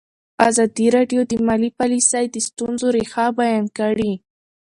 ازادي راډیو د مالي پالیسي د ستونزو رېښه بیان کړې.